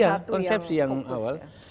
bukan salah satu yang fokus